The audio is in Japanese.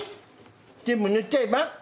全部塗っちゃえば？